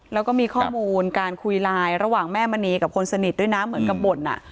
แล้วก็มีข้อมูลการคุยไลน์ระหว่างแม่มณีกับคนสนิทด้วยนะเหมือนกับบ่นอ่ะ